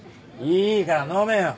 いいから飲めよ。